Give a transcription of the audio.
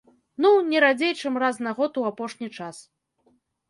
Ну, не радзей чым раз на год у апошні час.